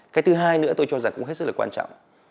cái thứ hai nữa tôi cho rằng cũng hết sức là quan trọng